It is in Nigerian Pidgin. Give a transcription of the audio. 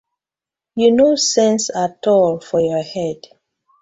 Yu no sence atol for yah head.